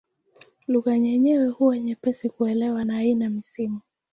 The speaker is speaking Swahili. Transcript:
Lugha yenyewe huwa nyepesi kuelewa na haina misimu.